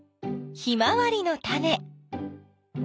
ヒマワリのタネ。